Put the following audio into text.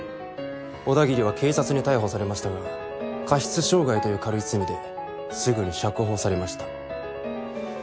小田切は警察に逮捕されましたが過失傷害という軽い罪ですぐに釈放されました。